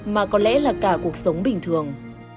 mà có lẽ là cả cuộc sống bình thường